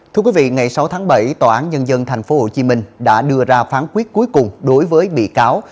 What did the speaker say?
thưa quý vị ngày sáu tháng bảy tòa án nhân dân tp hcm đã đưa ra phán quyết cuối cùng đối với bị cáo